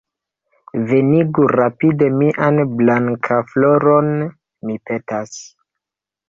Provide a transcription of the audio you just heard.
Venigu rapide mian Blankafloron, mi petas.